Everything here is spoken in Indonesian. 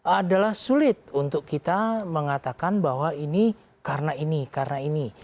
adalah sulit untuk kita mengatakan bahwa ini karena ini karena ini